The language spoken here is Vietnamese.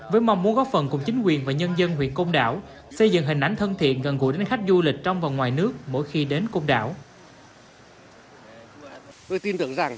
với mong muốn góp phần cùng chính quyền và nhân dân huyện công đảo xây dựng hình ảnh thân thiện gần gũi đến khách du lịch trong và ngoài nước mỗi khi đến côn đảo